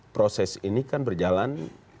proses ini kan berjalan